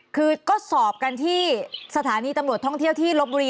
คือก็สอบกันที่สถานีตำรวจท่องเที่ยวที่ลบบุรี